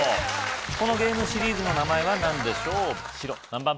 このゲームシリーズの名前は何でしょう白何番？